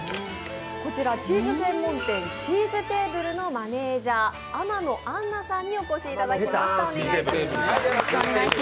こちらチーズ専門店、ＣｈｅｅｓｅＴａｂｌｅのマネージャー、天野杏南さんにお越しいただきました。